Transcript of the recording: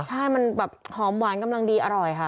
ใช่มันแบบหอมหวานกำลังดีอร่อยค่ะ